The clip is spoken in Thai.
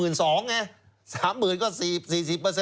เออนั่นก็๑๒๐๐๐ไง